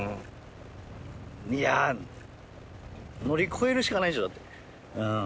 いや乗り越えるしかないでしょだってうん。